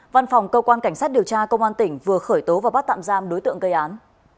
văn phòng cơ quan cảnh sát điều tra công an tỉnh vừa khởi tố và bắt tạm giam đối tượng gây án